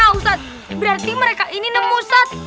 ustadz berarti mereka ini nemu ustadz